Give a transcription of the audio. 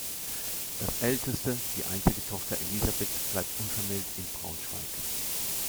Das älteste, die einzige Tochter, Elisabeth bleibt unvermählt in Braunschweig.